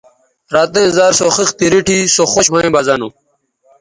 رَتیئں زر سو خِختے ریٹھی سو خوش ھویں بہ زہ نو